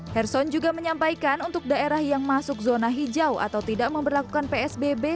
herson juga menyampaikan untuk daerah yang masuk zona hijau atau tidak memperlakukan psbb